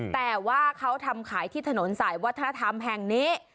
แต่ว่าเขาทำขายที่ถนนสายวัฒนธรรมแห่งนี้